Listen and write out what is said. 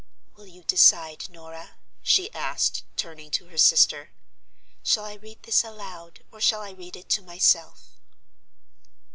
"Will you decide, Norah?" she asked, turning to her sister. "Shall I read this aloud, or shall I read it to myself?"